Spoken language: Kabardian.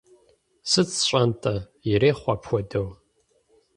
Сыт сщӀэн-тӀэ, ирехъу апхуэдэу.